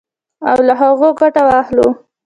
او له هغو ګټه واخلو.